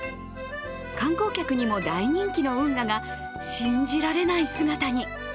観光客にも大人気の運河が信じられない姿に。